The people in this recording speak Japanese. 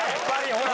ほら。